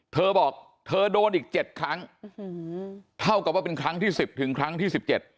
เธอบอกเธอโดนอีก๗ครั้งเท่ากับว่าเป็นครั้งที่๑๐ถึงครั้งที่๑๗